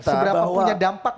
seberapa punya dampak